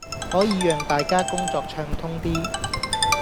可以讓大家工作暢通啲